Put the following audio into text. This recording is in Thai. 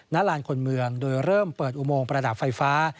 ลานคนเมืองโดยเริ่มเปิดอุโมงประดับไฟฟ้า